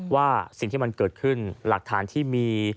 ว่าสิ่งที่มันเกิดขึ้นหลักฐานที่มี